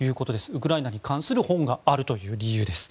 ウクライナに関する本があるという理由です。